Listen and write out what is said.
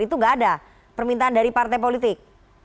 itu nggak ada permintaan dari partai politik